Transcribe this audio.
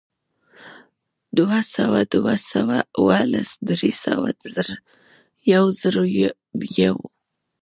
دوهسوه، دوه سوه او لس، درې سوه، زر، یوزرویو